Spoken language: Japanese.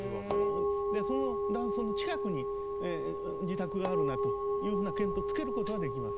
その断層の近くに自宅があるなというふうな検討つける事はできます。